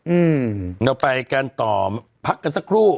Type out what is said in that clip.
อืมเราไปกันต่อพักกันสักครู่